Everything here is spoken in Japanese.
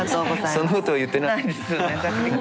そんなこと言ってないです。